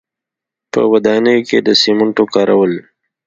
په ودانیو کې د سیمنټو کارول.